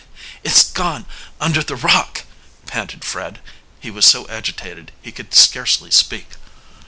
"It's gone under the rock!" panted Fred. He was so agitated he could scarcely speak.